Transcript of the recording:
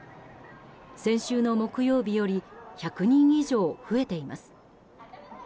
先週の木曜日より１００人以上増えています。